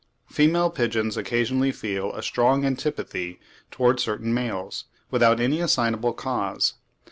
Female pigeons occasionally feel a strong antipathy towards certain males, without any assignable cause.